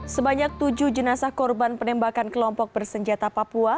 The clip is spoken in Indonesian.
sebanyak tujuh jenazah korban penembakan kelompok bersenjata papua